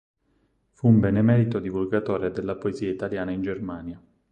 Fu un benemerito divulgatore della poesia italiana in Germania.